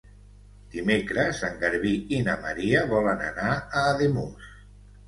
Dimecres en Garbí i na Maria volen anar a Ademús.